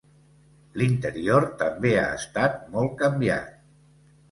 L'interior també ha estat molt canviat.